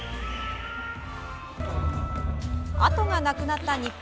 後がなくなった日本。